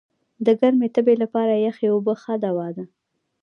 د ګرمي تبي لپاره یخي اوبه ښه دوا ده.